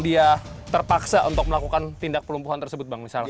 dia terpaksa untuk melakukan tindak pelumpuhan tersebut bang misalnya